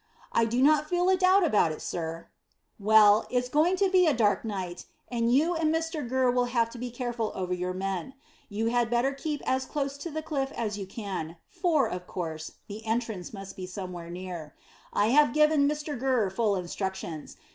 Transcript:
"I do not feel a doubt about it, sir." "Well, it's going to be a dark night, and you and Mr Gurr will have to be careful over your men. You had better keep as close to the cliff as you can, for, of course, the entrance must be somewhere near. I have given Mr Gurr full instructions.